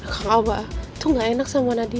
kak ngobah itu ga enak sama nadia